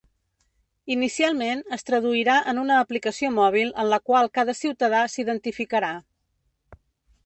Inicialment es traduirà en una aplicació mòbil en la qual cada ciutadà s’identificarà.